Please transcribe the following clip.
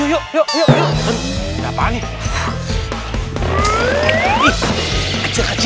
eh malah ngetawain lagi